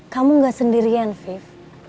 kamu gak sendirian afif